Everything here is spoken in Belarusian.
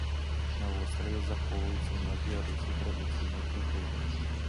На востраве захоўваюцца многія рысы традыцыйнай культуры.